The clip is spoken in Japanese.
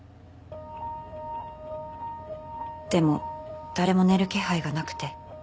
でも誰も寝る気配がなくて。